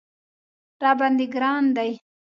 راباندې ګران دی